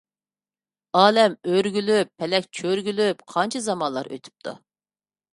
ئالەم ئۆرگۈلۈپ، پەلەك چۆرگۈلۈپ، قانچە زامانلار ئۆتۈپتۇ.